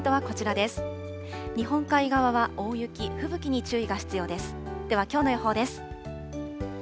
ではきょうの予報です。